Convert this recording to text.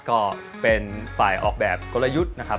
ก็เป็นฝ่ายออกแบบกลยุทธ์นะครับ